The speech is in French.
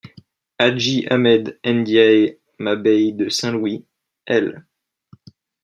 Hadji Ahmed Ndiaye Mabeye de Saint-Louis, El.